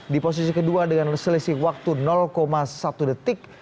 di posisi kedua dengan selisih waktu satu detik